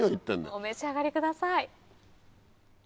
お召し上がりください。